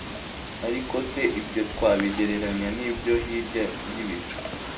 Ariko se ibyo twabigereranya n'ibyo hirya y'ibicu?